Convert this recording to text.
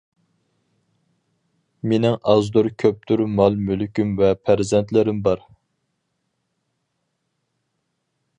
مېنىڭ ئازدۇر-كۆپتۇر مال-مۈلكۈم ۋە پەرزەنتلىرىم بار.